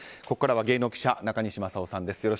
ここからは芸能記者、中西正男さんです。